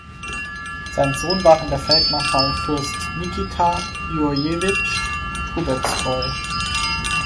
Sein Sohn waren der Feldmarschall Fürst Nikita Jurjewitsch Trubezkoi.